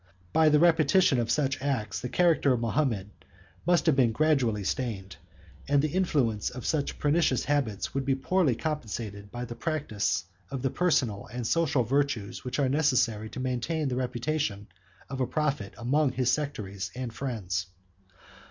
By the repetition of such acts, the character of Mahomet must have been gradually stained; and the influence of such pernicious habits would be poorly compensated by the practice of the personal and social virtues which are necessary to maintain the reputation of a prophet among his sectaries and friends.